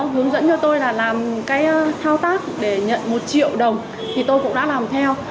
hướng dẫn cho tôi là làm cái thao tác để nhận một triệu đồng thì tôi cũng đã làm theo